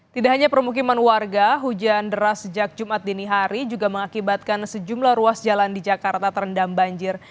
tidak hanya permukiman warga hujan deras sejak jumat dini hari juga mengakibatkan sejumlah ruas jalan di jakarta terendam banjir